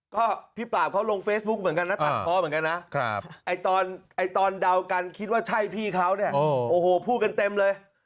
ก็พี่ปราบเขาลงเฟซบุ๊กเหมือนกันนะตัดเพาะเหมือนกันนะตอนเดากันคิดว่าใช่พี่เขาเนี่ยโอ้โหพูดกันเต็มเลย